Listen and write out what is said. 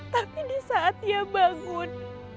tapi di saat ia bangun